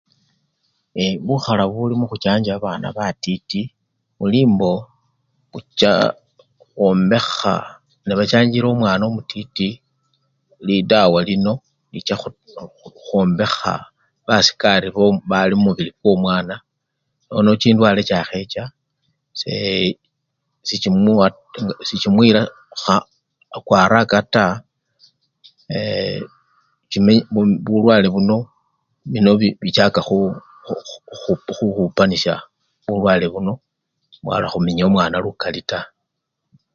Ee! bukhala buli mukhuchanja babana batiti buli mbo ochakhwombekha nebachanjile omwana omutiti lidawa lino licha khokho! khwombekha basikari boo! bali mumubili kwomwana nono chindwale chakhecha sechimuwo! sechimuyila kua araka taa ee! bulwale buno bino bichaka khukhu! kho! khukhupanisya bulwale buno bwala khuminya omwana lukali taa.